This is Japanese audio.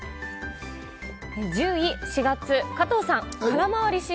１０位は４月生まれ、加藤さん。